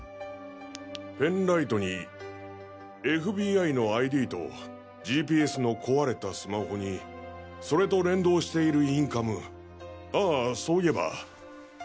ペンライトにＦＢＩのＩＤとＧＰＳの壊れたスマホにそれと連動しているインカムあぁそういえば。